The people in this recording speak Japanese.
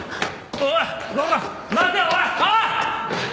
おい！